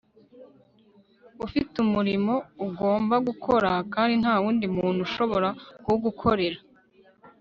ufite umurimo ugomba gukora kandi nta wundi muntu ushobora kuwugukorera